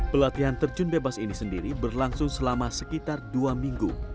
pelatihan terjun bebas ini sendiri berlangsung selama sekitar dua minggu